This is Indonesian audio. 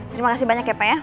terima kasih banyak ya pak ya